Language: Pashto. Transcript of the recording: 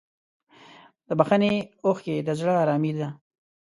د بښنې اوښکې د زړه ارامي ده.